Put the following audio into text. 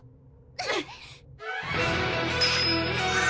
うん！